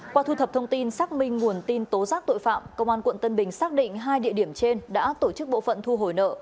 qua thu thập thông tin xác minh nguồn tin tố giác tội phạm công an quận tân bình xác định hai địa điểm trên đã tổ chức bộ phận thu hồi nợ